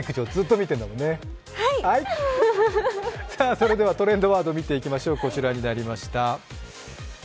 それではトレンドワード見ていきましょう、こちらになりました。